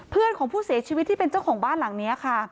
เพื่อนของผู้เสียชีวิตที่เป็นเจ้าของบ้านหลังนี้ค่ะ